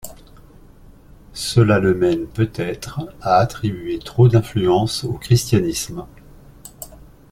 Cela le mène peut-être à attribuer trop d'influence au Christianisme.